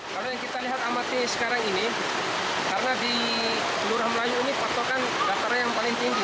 kalau yang kita lihat amati sekarang ini karena di kelurahan melayu ini patokan dasarnya yang paling tinggi